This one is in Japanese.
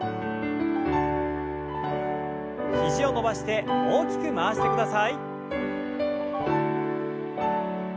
肘を伸ばして大きく回してください。